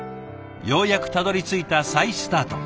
ようやくたどりついた再スタート。